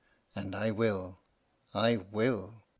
And I will I will."